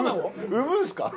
産むんですか？